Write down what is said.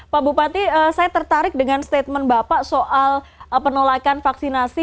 pak bupati saya tertarik dengan statement bapak soal penolakan vaksinasi